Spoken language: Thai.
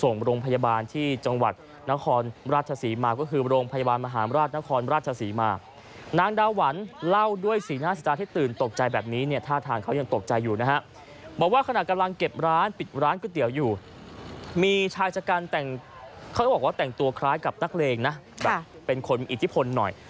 มีชายจากการแต่งตัวคล้ายกับนักเลงนะเป็นคนมีอิทธิพลหน่อย